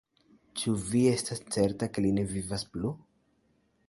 Ĉu vi estas certa, ke li ne vivas plu?